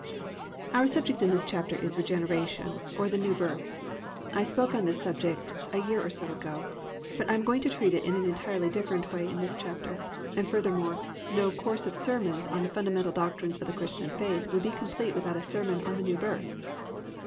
Our subject in this chapter is Regeneration, or the New Birth. I spoke on this subject a year or so ago, but I am going to treat it in an entirely different way in this chapter and furthermore no course of sermons on the Fundamental Doctrines of the Christian Faith would be complete without a sermon on the New Birth.